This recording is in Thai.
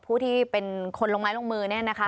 ผู้ที่เป็นคนลงไม้ลงมือเนี่ยนะคะ